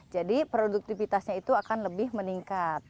jadi produktivitasnya itu akan lebih meningkat